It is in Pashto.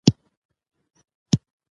شاهد ووې جومات کښې به مونځ وکړو